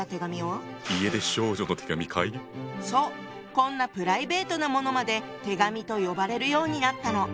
こんなプライベートなものまで「手紙」と呼ばれるようになったの。